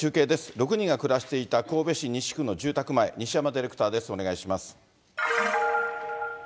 ６人が暮らしていた神戸市西区の住宅前、西山ディレクターです、お願いします。